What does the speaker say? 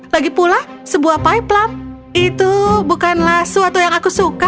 lagipula sebuah pie plum itu bukanlah sesuatu yang aku suka